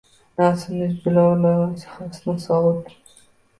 Nafsimni jilovla va hirsni sovut